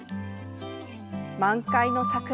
満開の桜。